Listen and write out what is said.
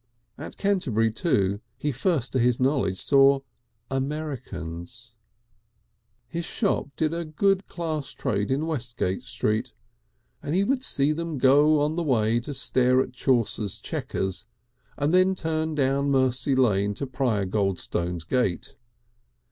At Canterbury, too, he first to his knowledge saw Americans. His shop did a good class trade in Westgate Street, and he would see them go by on the way to stare at Chaucer's "Chequers," and then turn down Mercery Lane to Prior Goldstone's gate.